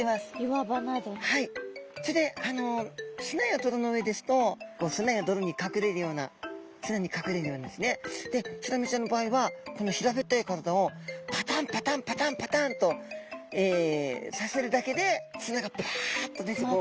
それで砂や泥の上ですと砂や泥にかくれるような砂にかくれるようなですねでヒラメちゃんの場合はこの平べったい体をパタンパタンパタンパタンとさせるだけで砂がぱあっと。